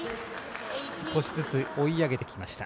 少しずつ追い上げてきました。